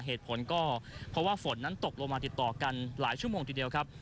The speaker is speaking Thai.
เหตุผลก็เพราะว่าฝนนั้นตกลงมาติดต่อกันหลายชั่วโมงทีเดียวครับ